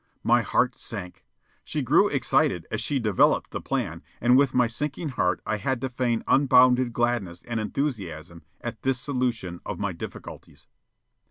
My heart sank. She grew excited as she developed the plan and with my sinking heart I had to feign unbounded gladness and enthusiasm at this solution of my difficulties.